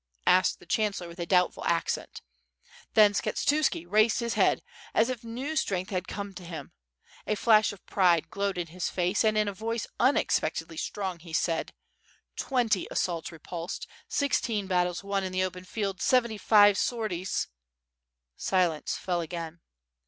asked the chan cellor, with a doubtful accent. Then Skshetuski raised his head, as if new strength had come to him. A flash of pride glowed in his face and in a voice unexpectedly strong, he said: "Twenty assaults repulsed, sixteen battles won in the open field, seventy five sortie^ —"... Silence fell airain.